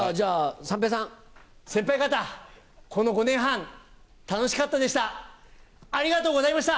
先輩方、この５年半、楽しかったでした。